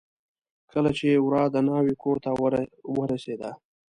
کله چې ورا د ناوې کورته ور ورسېده.